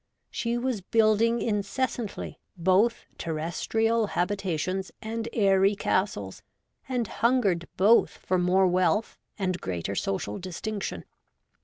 She was building incessantly, both terres trial habitations and airy castles, and hungered both for more wealth and greater social distinction.